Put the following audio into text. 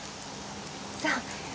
じゃあ。